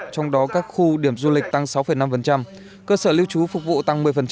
trong đó các khu điểm du lịch tăng sáu năm cơ sở lưu trú phục vụ tăng một mươi